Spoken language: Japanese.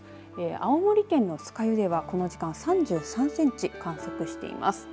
青森県の酸ヶ湯では、この時間３３センチ観測しています。